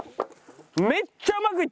めっちゃうまくいった！